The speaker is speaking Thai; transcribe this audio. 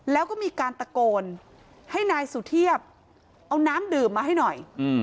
แล้วก็มีการตะโกนให้นายสุเทพเอาน้ำดื่มมาให้หน่อย